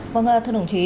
vâng ạ thưa đồng chí